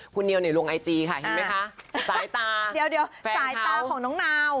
คุณเนียวเนี่ยลงไอจีค่ะเห็นไหมคะสายตาเดี๋ยวสายตาของน้องนาว